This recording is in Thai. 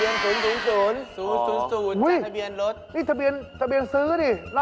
ไม่ได้ทะเบียนละม่อมจับได้ไม่ได้ทะเบียนรถล่ะ